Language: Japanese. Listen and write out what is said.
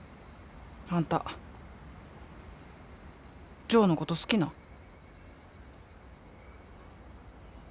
あんたジョーのこと好きなん？